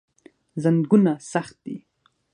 زنګونونه سخت دي.